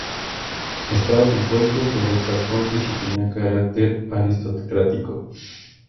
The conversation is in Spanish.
Estaba compuesto por ex-arcontes y tenía carácter aristocrático.